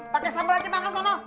pakai sambal aja makan kono